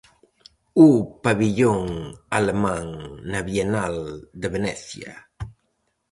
O pavillón alemán na Bienal de Venecia.